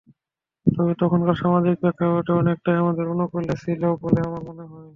তবে তখনকার সামাজিক প্রেক্ষাপটটা অনেকটাই আমাদের অনুকূলে ছিল বলে আমার মনে হয়।